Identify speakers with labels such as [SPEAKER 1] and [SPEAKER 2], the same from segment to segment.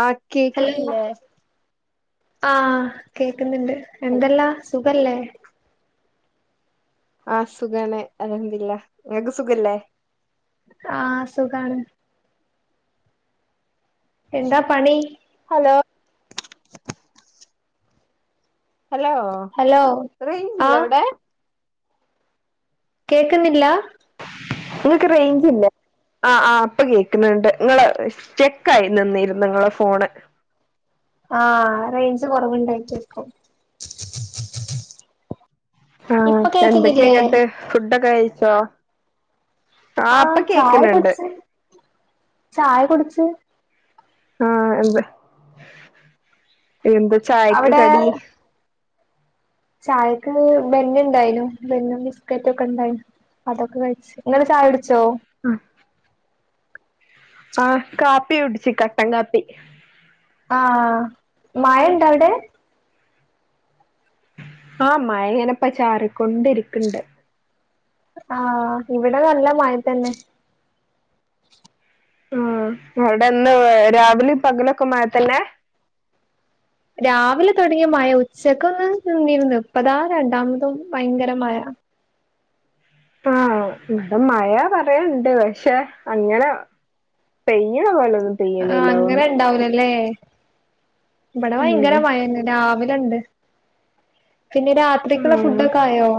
[SPEAKER 1] ആഹ്
[SPEAKER 2] hello
[SPEAKER 1] കേക്കണില്ലേ
[SPEAKER 2] ആഹ് കേക്ക്ന്ന്ണ്ട് എന്തെല്ലാ സുഖല്ലേ?
[SPEAKER 1] ആഹ് സുഖാണ് അൽഹംദുലില്ലാ ഇങ്ങക്ക് സുഖല്ലേ?
[SPEAKER 2] ആഹ് സുഖാണ് എന്താ പണി?
[SPEAKER 1] ഹലോ ഹലോ
[SPEAKER 2] ഹലോ
[SPEAKER 1] റേയ്ഞ്ചില്ല
[SPEAKER 2] ആഹ്
[SPEAKER 1] അവിടെ?
[SPEAKER 2] കോക്ക്ന്നില്ല
[SPEAKER 1] ഇങ്ങക്ക് റേയ്ഞ്ച് ഇല്ലേ? ആഹ് ആഹ് ഇപ്പ കേക്ക്ന്ന്ണ്ട് ഇങ്ങള് സ്റ്റക്കായി നിന്നിരുന്നു ഇങ്ങളെ ഫോണ്
[SPEAKER 2] ആഹ് റേയ്ഞ്ച് കൊറവ്ണ്ടായിറ്റായിക്കും
[SPEAKER 1] ആഹ് എന്തൊക്കെ ഇന്നട്ട് ഫുഡൊക്കെ കഴിച്ചോ? ആഹ് ഇപ്പ
[SPEAKER 2] ചായ
[SPEAKER 1] കേക്ക്ന്നുണ്ട്
[SPEAKER 2] കുടിച്ച് ചായ കുടിച്ച്
[SPEAKER 1] ആഹ് എന്ത് എന്താ ചായക്ക്
[SPEAKER 2] അവിടെ
[SPEAKER 1] കടി?
[SPEAKER 2] ചായക്ക് ബന്ന് ഇണ്ടായിനു ബന്നും ബിസ്ക്കറ്റും ഒക്കെ ഇണ്ടായിന്നു അതൊക്കെ കഴിച്ച് ഇങ്ങള് ചായ കുടിച്ചോ?
[SPEAKER 1] ആഹ് ആഹ് കാപ്പി കുടിച്ച് കട്ടൻ കാപ്പി
[SPEAKER 2] ആഹ് മയ ഇണ്ടോ അവിടെ?
[SPEAKER 1] ആഹ് മയയിങ്ങനെപ്പോ ചാറിക്കൊണ്ടിരിക്കെണ്ട്
[SPEAKER 2] ആഹ് ഇവിടെ നല്ല മഴ തന്നെ
[SPEAKER 1] ഉം അവിടെ എന്നും രാവിലെ പകലൊക്കെ മഴ തന്നെ
[SPEAKER 2] രാവിലെ തൊടങ്ങിയ മഴ ഉച്ചക്കൊന്ന് നിന്നിരുന്നു ഇപ്പതാ രണ്ടാമതും ഭയങ്കര മഴ
[SPEAKER 1] ആഹ് ഇവിടെ മഴ പറയാണ്ട് പക്ഷെ അങ്ങനെ പെയ്യണോ വല്ലതും
[SPEAKER 2] ആഹ് അങ്ങനെ ഇണ്ടാവുലല്ലേ ഇവിടെ ഭയങ്കര
[SPEAKER 1] ഉം
[SPEAKER 2] മഴയന്നെ രാവിലെ ഇണ്ട് പിന്നെ രാത്രിക്കുള്ള
[SPEAKER 1] ആഹ്
[SPEAKER 2] ഫുഡൊക്കെ ആയോ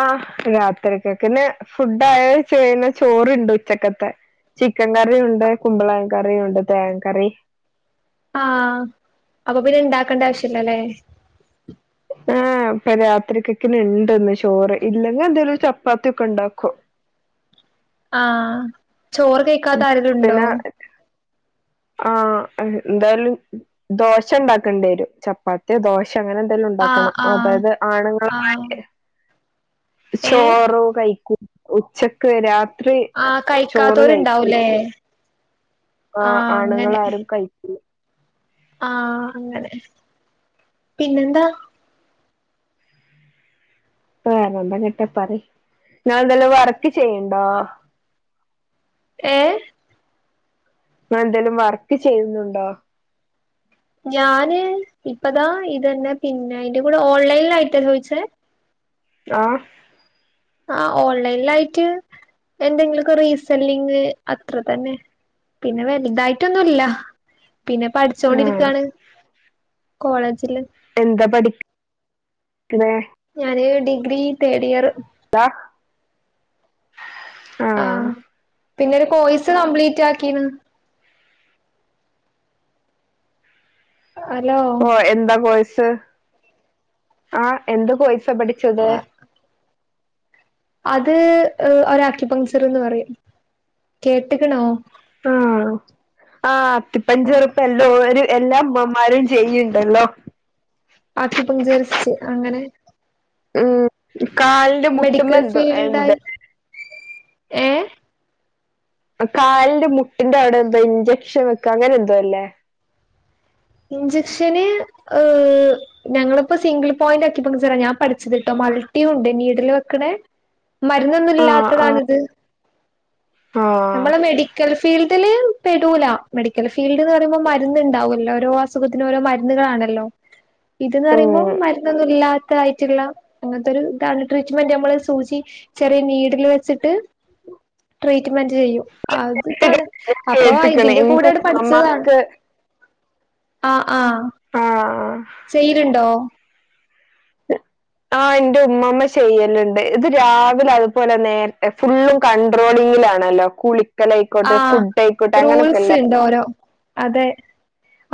[SPEAKER 1] ആഹ് രാത്രിയേക്ക്ക്കെന്നെ ഫുഡ്‌ ആയോന്ന് ചോയിന്ന ചോറുണ്ട് ഉച്ചക്കത്തെ ചിക്കൻ കറിയുണ്ട് കുമ്പളങ്ങ കറിയുണ്ട് തേങ്ങാ കറി
[SPEAKER 2] ആഹ് അപ്പ പിന്നെ ഇണ്ടാക്കണ്ട ആവശ്യല്ലാല്ലേ
[SPEAKER 1] ആഹ് ഇപ്പോ രാത്രിത്തെക്കിന് ഇണ്ട് ഇന്ന് ചോറ് ഇല്ലെങ്ക് എന്തേലും ചപ്പാത്തി ഒക്കെ ഇണ്ടാക്കും
[SPEAKER 2] ആഹ് ചോറ് കയിക്കാത്ത ആരേലുണ്ടോ?
[SPEAKER 1] പിന്നെ ആഹ് എന്തായാലും ദോശ ഇണ്ടാക്കേണ്ടി വരും ചപ്പാ ത്തിയോ ദോശ അങ്ങനെ എന്തെലും
[SPEAKER 2] ആഹ്
[SPEAKER 1] ഇണ്ടാക്കണം
[SPEAKER 2] ആഹ്
[SPEAKER 1] അതായത് ആണുങ്ങളെ
[SPEAKER 2] ആഹ്
[SPEAKER 1] [unintelligible]
[SPEAKER 2] ഏഹ്
[SPEAKER 1] ചോറു കയിക്കു ഉച്ചക്ക് ക്ക് രാത്രി
[SPEAKER 2] ആഹ്
[SPEAKER 1] ചോറ് കഴിക്കൂല.
[SPEAKER 2] കഴിക്കാത്തോരുണ്ടാവൂലേ
[SPEAKER 1] ആഹ് ആണുങ്ങൾ ആരും കഴിക്കൂല.
[SPEAKER 2] ആഹ് അങ്ങനെ പിന്നെന്താ?
[SPEAKER 1] വേറെ എന്തെങ്കിലുമെക്കെ പറയ് നിങ്ങള് എന്തേലും വർക്ക് ചെയ്യുണ്ടോ?
[SPEAKER 2] ഏഹ്
[SPEAKER 1] നിങ്ങള് എന്തേലും വർക്ക് ചെയ്യുന്നുണ്ടോ?
[SPEAKER 2] ഞാന് ഇപ്പതാ ഇതന്നെ പിന്നെ അതിന്റെ കൂടെ ഓൺലൈനിലാ യിട്ടാ ചോദിച്ചേ?
[SPEAKER 1] ആഹ്
[SPEAKER 2] ആഹ് ഓൺലൈനിലായിട്ട് എന്തെങ്കിലൊക്കെ റീസെല്ലിങ് അത്ര തന്നെ. പിന്നെ വലുതായിട്ടൊന്നുംഇല്ല. പിന്നെ
[SPEAKER 1] ആ
[SPEAKER 2] പഠിച്ചോണ്ടിരിക്കയാണ് കോളേജില്.
[SPEAKER 1] എന്താ പഠിക്ക്ണെ?
[SPEAKER 2] ഞാന് ഡിഗ്രി തേർഡ് ഇയറ്.
[SPEAKER 1] എന്താ ആ
[SPEAKER 2] ആഹ് പിന്നൊരു കോഴ്സ് കംപ്ലീറ്റ് ആക്കീണ്. ഹലോ
[SPEAKER 1] ഓ എന്താ കോഴ്സ് ആഹ് എന്ത് കോഴ്സാ പഠിച്ചത്?
[SPEAKER 2] അത് ഒര് അക്യൂപഞ്ചർന്ന് പറയും കേട്ടക്കണോ?
[SPEAKER 1] ആഹ് ആഹ് അത്തിപ്പഞ്ചെറുപ്പല്ലോ ഒരു എല്ലാം ഉമ്മമാരും ചെയ്യുണ്ടല്ലോ
[SPEAKER 2] അക്യൂപക്ചേഴ്സ് അങ്ങനെ
[SPEAKER 1] ഉം കാലിന്റെ മുട്ടുമ്മ
[SPEAKER 2] മെഡിക്കൽ
[SPEAKER 1] എന്തോ എന്ത്
[SPEAKER 2] ഫീൽഡായി ഏഹ്
[SPEAKER 1] കാലിന്റെ മുട്ടിന്റെ അവിടെ എന്തോ ഇൻജക്ഷൻ വെക്കുക അങ്ങനെ എന്തോ അല്ലേ?
[SPEAKER 2] ഇഞ്ചെക്ഷന് ഹ് ഞങ്ങളിപ്പോ സിംഗിൾ പോയിന്റ് ആക്കിപഞ്ചർ ഞാൻ പഠിച്ചതട്ടോ മൾട്ടിയുണ്ട് നീഡില് വെക്കണേ മരുന്നൊന്നും
[SPEAKER 1] ആഹ് ആഹ്
[SPEAKER 2] ഇല്ലാത്തതാണിത്
[SPEAKER 1] ആഹ്
[SPEAKER 2] നമ്മളെ മെഡിക്കൽ ഫീൽഡില് പെടൂല മെഡിക്കൽ ഫീൽഡ് എന്ന് പറയുമ്പോ മരുന്ന്ണ്ടാവുല്ലോ? ഓരോ അസുഖത്തിന് ഓരോ മരുന്നുകളാണല്ലോ ഇത്നറയ്‌പോ
[SPEAKER 1] ഉം
[SPEAKER 2] മരുന്നൊന്നുല്ല ായിട്ടുള്ള അങ്ങനത്തെ ഒരു ഇതാണ് ട്രീറ്റ്മെന്റ് നമ്മൾ സൂചി ചെറിയ നീഡിൽ വെച്ചിട്ട് ചെയും അത് ഇതാണ് അപ്പൊ
[SPEAKER 1] കേട്ട്ക്ക്ണ്
[SPEAKER 2] ഇതിന്റെ
[SPEAKER 1] ഇന്റെ
[SPEAKER 2] കൂടെണ് പഠിച്ചതാണ്.
[SPEAKER 1] ഉമ്മമ്മാക്ക്
[SPEAKER 2] ആ ആ
[SPEAKER 1] ആഹ
[SPEAKER 2] ചെയല്ണ്ടോ?
[SPEAKER 1] ആഹ എന്റെ ഉമ്മമ്മ ചെയ്യലുണ്ട് ഇത് രാവിലെ അതുപോലെ നേരത്തെ ഫുൾ കണ്ടട്രോളിങ്ങിലാണല്ലോ കുളി
[SPEAKER 2] ആഹ റൂൾസ് ഉണ്ട് ഓരോ അതെ.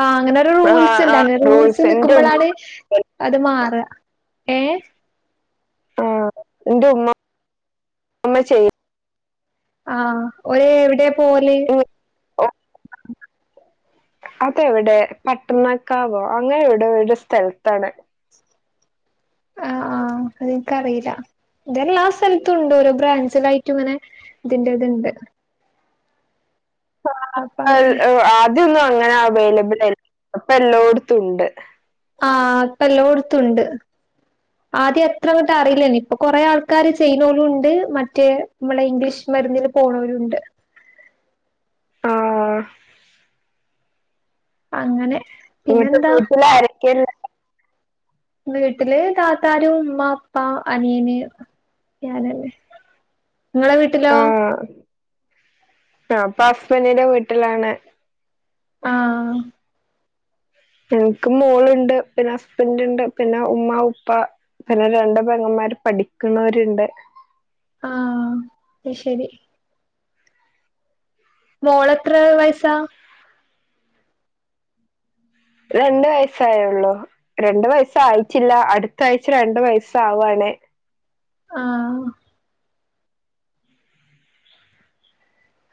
[SPEAKER 2] ആഹ അങ്ങനൊരു
[SPEAKER 1] ആഹ്
[SPEAKER 2] റൂൾസ് ഉണ്ട്
[SPEAKER 1] ആഹ്
[SPEAKER 2] അങ്ങനെ റൂൾസ്
[SPEAKER 1] ഇന്റെ ഉമ്മ
[SPEAKER 2] നിക്കുമ്പളാണ് അത് മാറ ഏ
[SPEAKER 1] ആഹ ഇന്റെ ഉമുമ്മ ചെയ
[SPEAKER 2] ആഹ ഓര് എവിടെയാ പോവല്?
[SPEAKER 1] [unintelligible] അതെ എവിടെ പട്ടണക്കാവോ അങ്ങനെ എവിടെ ഇവിടെ സ്ഥലത്താണ്.
[SPEAKER 2] ആഹ ആഹ അത് നിനക്കറിയില്ല. ഇതെല്ലാ സ്ഥലത്തും ഉണ്ട് ഓരോ ബ്രാഞ്ചിലായിട്ടും ഇങ്ങനെ ഇതിന്റെ ഇത്ണ്ട്. അപ്പ അങ്ങനെ
[SPEAKER 1] ആദ്യൊന്നും അങ്ങനെ അവൈലബിൾ അലേർന്നു ഇപ്പ എല്ലോട്ത്തും ഉണ്ട്.
[SPEAKER 2] ആഹ ഇപെല്ലോടുത്തുണ്ട്. ആദ്യം അത്ര അങ്ങോട്ട് അറിയില്ലേന്നി ഇപ്പൊ കൊറേ ആൾക്കാര് ചെയ്യനോലുണ്ട് മറ്റേ നമ്മളെ ഇംഗ്ലീഷ് മരുന്നില് പോണവരുണ്ട്.
[SPEAKER 1] ആഹ്
[SPEAKER 2] അങ്ങനെ
[SPEAKER 1] വീട്ട്
[SPEAKER 2] പിന്നെന്താ
[SPEAKER 1] വീട്ടിലാരൊക്കെ ഇണ്ട്
[SPEAKER 2] വീട്ടില് താത്താരും ഉമ്മ ഉപ്പ അനീയന് ഞാനല്ലേ ഇങ്ങളെ വീ
[SPEAKER 1] ആഹ് ഞാൻ ഇപ്പ ഹസ്ബന്റിന്റെ വീട്ടിലാണ്.
[SPEAKER 2] ആഹ്
[SPEAKER 1] എനിക്ക് മോളുണ്ട് പിന്നെ ഹസ്ബൻ്റ് ഇണ്ട് പിന്നെ ഉമ്മ ഉപ്പ. പിന്നെ രണ്ട് പെങ്ങന്മാര് പഠിക്കുന്നവരുണ്ട്.
[SPEAKER 2] ആഹ് ശരി. മോളെത്ര വയസാ
[SPEAKER 1] രണ്ട് വയസായൊള്ളൂ. രണ്ട് വയസ്സ് ആയിട്ടില്ല അടുത്ത ആഴ്ച രണ്ടു വയസ്സ് ആവാണ്.
[SPEAKER 2] ആഹ്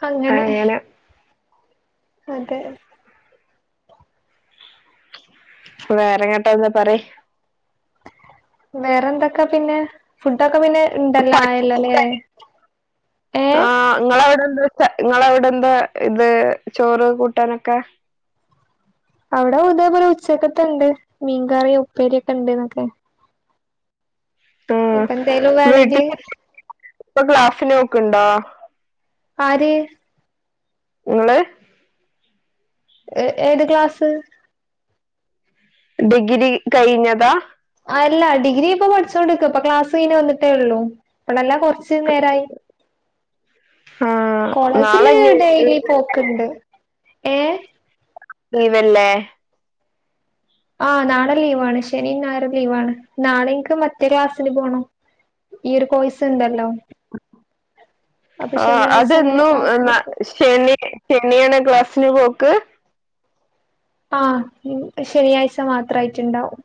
[SPEAKER 2] അങ്ങനെ. അതെ.
[SPEAKER 1] വേറെ എന്തിട്ടാ പറയ്
[SPEAKER 2] വേറെ എന്തൊക്കെ പിന്നെ ഫുഡൊക്കെ പിന്നെ ഇണ്ടല്ലോ ആയല്ലേ
[SPEAKER 1] പറയ്
[SPEAKER 2] ഏഹ്
[SPEAKER 1] നിങ്ങളവിടെന്താ നിങ്ങളവിടെ എന്താ ഇത് ചോറ് കൂട്ടാനൊക്കെ
[SPEAKER 2] അവിടെ ഇതേപോലെ ഉച്ചക്കത്തെ ഇണ്ട് മീൻകറിയും ഉപ്പേരിയും ഒക്കെ ഇണ്ട്ന്നൊക്കെ.
[SPEAKER 1] ആ
[SPEAKER 2] ഇപ്പ എന്തേലും വേണെങ്കില്
[SPEAKER 1] വീട്ടില് ഇപ്പൊ ക്ലാസിന് പോക്കുണ്ടോ
[SPEAKER 2] ആര്
[SPEAKER 1] നിങ്ങൾ
[SPEAKER 2] ഏഹ് ഏത് ക്ലാസ്സ്
[SPEAKER 1] ഡിഗ്രി കഴിഞ്ഞതാ
[SPEAKER 2] അല്ല ഡിഗ്രി ഇപ്പൊ പഠിച്ചോണ്ടിക്ക അപ്പ ക്ലാസ് കഴിഞ്ഞ് വന്നിട്ടേ ഉള്ളു ഇപ്പളല്ല കുറച്ച്. ച്ച് നേരായി
[SPEAKER 1] ആ
[SPEAKER 2] കോളേജില്
[SPEAKER 1] നാളെഞ്ഞി
[SPEAKER 2] ഡെയിലി പോ ക്ക്ണ്ട് ഏഹ്
[SPEAKER 1] ലീവല്ലേ
[SPEAKER 2] ആഹ് നാളെ ലീവാണ് ശനിം ഞായറും ലീവാണ് നാളെനിക്ക് മറ്റേ ക്ലാസില് പോകണം ഈ ഒരു കോയ്സ് ഇണ്ടല്ലോ
[SPEAKER 1] ആഹ്
[SPEAKER 2] ശനിയാഴ്ച അങ്ങനെ
[SPEAKER 1] അതെന്നും
[SPEAKER 2] ക്ലാസ്സിന് പോ
[SPEAKER 1] ശനി ശനിയാണ ക്ലാസ്സിന് പോക്ക്
[SPEAKER 2] ആഹ് ഇൻക്ക് ശനിയാഴ്ച്ച മാത്രം ആയിട്ടുണ്ടാവും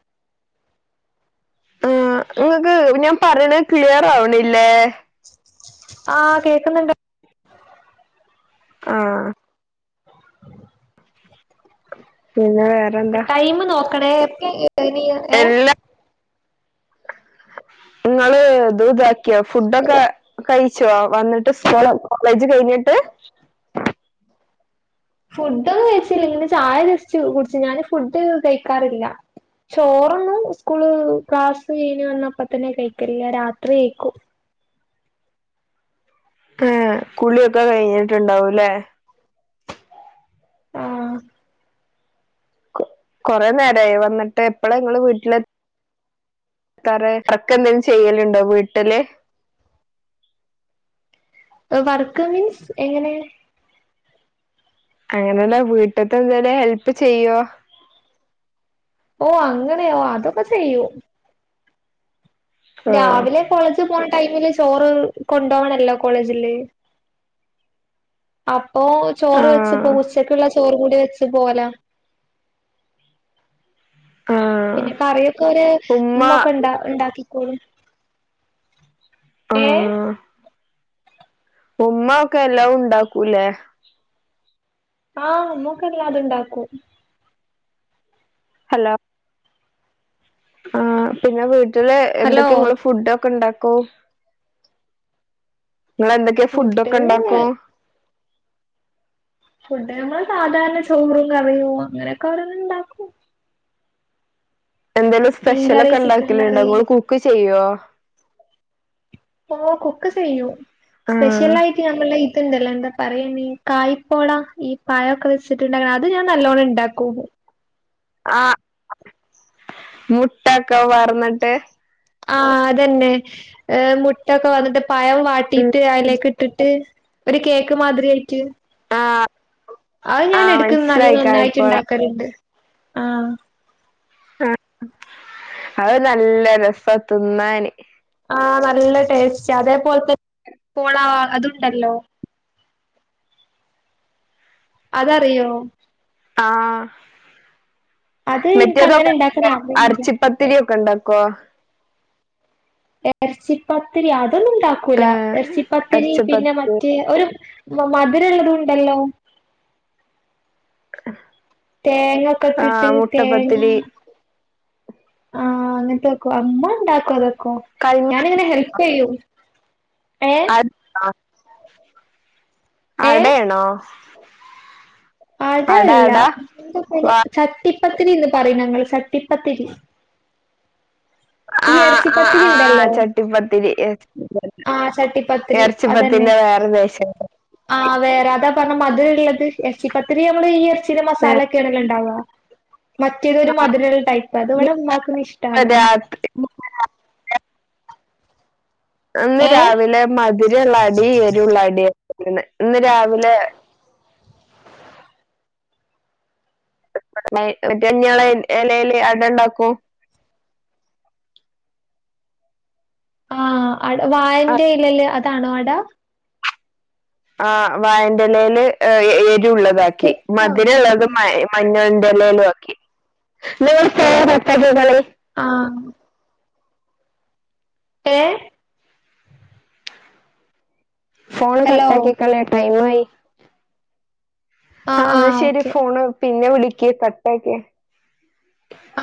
[SPEAKER 1] ആഹ് നിങ്ങക്ക് ഞാൻ പറയണ ക്ലിയർ ആവണില്ലേ
[SPEAKER 2] ആഹ് കേക്കുന്നുണ്ട്
[SPEAKER 1] ആഹ് ആഹ് പിന്നെ വേറെന്താ?
[SPEAKER 2] ടൈം നോക്കണേ [unintelligible]
[SPEAKER 1] എല്ലാ നിങ്ങള് ഇത് ബ ക്കോ ഫുഡൊക്കെ കഴിച്ചോ വന്നിട്ട് സ്കൂൾ കോളേജ് കഴിഞ്ഞിട്ട്
[SPEAKER 2] ഫുഡ് ഒന്നും കഴിച്ചില്ല ഇങ്ങനെ ചായ ജസ്റ്റ് കുടിച്ചു ഞാന് ഫുഡ് കഴിക്കാറില്ല ചോറൊന്നും സ്കൂള് ക്ലാസ് കയ്ഞ്ഞ വന്നപ്പ തന്നെ കഴക്കലില്ല രാത്രി കയ്ക്കും
[SPEAKER 1] ആ കുളിയൊക്കെ കഴിഞ്ഞിട്ടുണ്ടാവൂലേ
[SPEAKER 2] ആഹ്
[SPEAKER 1] കൊറെ നേരായോ വന്നിട്ട് എപ്പളാ ഇങ്ങള് വീട്ടിലെ [unintelligible] ർക്കെ എന്തേലും ചെയ്യലുണ്ടോ വീട്ടില്
[SPEAKER 2] വർക്ക് മീൻസ് എങ്ങനെ
[SPEAKER 1] അങ്ങനെയല്ല വീട്ട്ത്തെ എന്തെല ഹെല്പ് ചെയ്യോ
[SPEAKER 2] ഓഹ് അങ്ങനെയോ അതൊക്കെ ചെയ്യൂം
[SPEAKER 1] ആഹ്
[SPEAKER 2] രാവിലെ കോളേജ് പോണ ടൈമില് ചോറ് കൊണ്ടോണല്ലോ കോളേജില് അപ്പോ ചോറ്
[SPEAKER 1] ആഹ്
[SPEAKER 2] വെച്ചപ്പോ ഉച്ചക്കുള്ള ചോറ് കൂടി വെച്ച് പോവലാ
[SPEAKER 1] ആഹ്
[SPEAKER 2] പിന്നെ കറിയൊക്കെ ഒരു
[SPEAKER 1] ഉമ്മ
[SPEAKER 2] മ്മ ഒക്കെ ഉണ്ട ഉണ്ടാക്കി കൊളും ഏ
[SPEAKER 1] [inaudible] ഉമ്മ ഒക്കെ എല്ലാവും ണ്ടാക്കൂലെ
[SPEAKER 2] ആഹ് ഉമ്മക്കല്ലാതും ണ്ടാക്കും.
[SPEAKER 1] ഹലോ ആഹ് പിന്നെ വീട്ടില്
[SPEAKER 2] ഹലോ
[SPEAKER 1] എന്തൊക്കെങ്ങള് ഫുഡ്ക്കെ ഇണ്ടാക്കും. നിങ്ങെന്തൊക്കെയാ ഫുഡ് ഒക്കെ ഉണ്ടാക്കും?
[SPEAKER 2] ഫുഡ് നമ്മൾ സാധാരണ ചോറും കറിയും അങ്ങനെയൊക്കെ ഓരോന്നും ണ്ടാവും
[SPEAKER 1] എന്തേലും
[SPEAKER 2] മീൻകറി
[SPEAKER 1] സ്പെഷ്യലക്കെ
[SPEAKER 2] ചിക്കൻ
[SPEAKER 1] ഉണ്ടാക്കലണ്ടോ
[SPEAKER 2] കറി
[SPEAKER 1] ങ്ങള് കുക്ക് ചെയ്യോ?
[SPEAKER 2] ഓ കുക്ക് ചെയ്യൂ
[SPEAKER 1] ആഹ്
[SPEAKER 2] സ്പെഷ്യലായിട്ട് ഞമ്മള ഇതുണ്ടല്ലോ എന്താ പറയയിന് കായ്പോള ഈ പയൊക്കെ വെച്ചിട്ടുണ്ട അത് ഞാൻ നല്ലോണ്ണം ഉണ്ടാക്കും
[SPEAKER 1] ആഹ് മുട്ടക്കെ പാർന്നിട്ട്
[SPEAKER 2] ആഹ് അതന്നെ മുട്ടൊക്കെ വന്നിട്ട് പഴം
[SPEAKER 1] ഉം
[SPEAKER 2] വാട്ടിയിട്ട്
[SPEAKER 1] ഉം
[SPEAKER 2] അതിലേക്ക് ഇട്ടിട്ട് ഒരു കേക്ക് മാതിരി ആയിട്ട്
[SPEAKER 1] ആഹ്
[SPEAKER 2] അഹ് ഞാൻ
[SPEAKER 1] ആഹ്
[SPEAKER 2] എടുക്ക്ന്ന നല്ല
[SPEAKER 1] മനസ്സിലായി
[SPEAKER 2] നന്നായിട്ട്
[SPEAKER 1] കായ്പോള
[SPEAKER 2] ഉണ്ടാക്കൽണ്ട് ആഹ
[SPEAKER 1] ആ അത് നല്ല രസ തിന്നാന്
[SPEAKER 2] ആഹ് നല്ല ടേസ്റ്റ് അതേ പോലത്തെ പോളവാ അതുണ്ടല്ലോ അതറിയോ?
[SPEAKER 1] ആഹ്
[SPEAKER 2] അത് എനിക്ക്
[SPEAKER 1] മെറ്റേതോ
[SPEAKER 2] അങ്ങനെ ഉണ്ടാക്കാൻ
[SPEAKER 1] കണ്ടല്ലോ
[SPEAKER 2] അറിയില്ല
[SPEAKER 1] അരച്ചിപ്പ തിരിയൊക്കെ ഉണ്ടാക്കോ?
[SPEAKER 2] എറച്ചിപ്പത്തിരി അതൊന്നു ഉണ്ടാക്കൂല
[SPEAKER 1] ഏഹ്
[SPEAKER 2] എറച്ചിപ്പത്തിരി പിന്നെ
[SPEAKER 1] എറച്ചിപ്പത്തിരി
[SPEAKER 2] മറ്റേ ഒരു മധുരംള്ളതു ഉണ്ടല്ലോ തേങ്ങക്കെ ഇട്ടിട്ട്
[SPEAKER 1] ആഹ്
[SPEAKER 2] തേങ്ങ
[SPEAKER 1] മുട്ടപ്പത്തിരി
[SPEAKER 2] ആഹ് അങ്ങനത്തെക്കോ അമ്മ ഉണ്ടാക്കോ അതൊക്കോ
[SPEAKER 1] കൽങ്ങ
[SPEAKER 2] ഞാനിങ്ങനെ ഹെൽപ് യ്യൂ ഏഹ്
[SPEAKER 1] ആ
[SPEAKER 2] ഏ
[SPEAKER 1] അടയാണോ അട
[SPEAKER 2] അടയല്ല
[SPEAKER 1] അട വാ
[SPEAKER 2] എന്താപ്പയന്ചട്ടിപ്പത്തിരിന്ന് പറയു ഞങ്ങൾ ചട്ടിപ്പത്തിരി ഈ
[SPEAKER 1] ആഹ് ആഹ്
[SPEAKER 2] എറച്ചിപ്പത്തിരിണ്ടല്ലോ.
[SPEAKER 1] ആഹ് ചട്ടിപ്പത്തിരി
[SPEAKER 2] ആഹ് ചട്ടിപത്തിരി അതന്നെ.
[SPEAKER 1] എറച്ചിപ്പത്തിന്റെ വേറെ വേഷം
[SPEAKER 2] ആഹ് വേറെഅതാ പറഞ്ഞ മധുരള്ളത് എറച്ചി പത്തിരി നമ്മള് ഏർച്ചി. ച്ചിടെ
[SPEAKER 1] ഏഹ്
[SPEAKER 2] മസാലക്കേണല്ലോ ണ്ടാവാ മറ്റേതൊരു മധുരുള്ള ടൈപ്പാ അതിവിടെ മ്മാക്ക് ന്നും ഇഷ്ടാവൂ
[SPEAKER 1] ആഹ് അന്ന്
[SPEAKER 2] ഏ
[SPEAKER 1] രാവിലെ മധുരള്ളടി എരുള്ളടി ഉണ്ടായിന്ന് ഇന്ന് രാവിലെ. [unintelligible] എലയിൽ അടയുണ്ടാക്കും
[SPEAKER 2] ആഹ് അ വായന്റെ ഇലല് അതാണോ അട.
[SPEAKER 1] ആ് വായന്റലേൽ എരു ഉള്ളതാക്കി മധുരള്ളത് മ മഞ്ഞൾന്റെ ലേലുംആക്കി [unintelligible]
[SPEAKER 2] ആഹ ഏഹ്
[SPEAKER 1] ഫോൺ
[SPEAKER 2] ഹലോ
[SPEAKER 1] കട്ടാക്കിക്കാളി ടൈമായി. ആ
[SPEAKER 2] ആഹ്
[SPEAKER 1] ന്നാൽ
[SPEAKER 2] ആഹ്
[SPEAKER 1] ശരി
[SPEAKER 2] ഓക്കെ
[SPEAKER 1] ഫോണ് പിന്നെ വിളിക്കി കട്ടാക്കി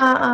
[SPEAKER 2] ആഹ് ആ